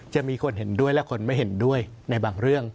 จะมีคนเห็นด้วยและคนไม่เห็นด้วยในบางเรื่อง